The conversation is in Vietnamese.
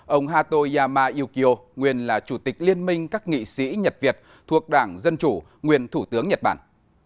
ông hato yama yukio nguyên là chủ tịch liên minh các nghị sĩ nhật việt thuộc đảng dân chủ nguyên thủ tướng nhật bản